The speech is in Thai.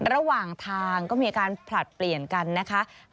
ระหว่างทางก็มีการผลัดเปลี่ยนกันนะคะ